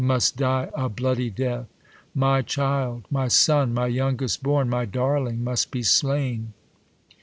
; Must die a bloody death ! My child ! my son, My youngest born, my darling must be slain